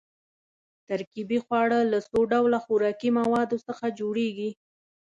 ترکیبي خواړه له څو ډوله خوراکي موادو څخه جوړیږي.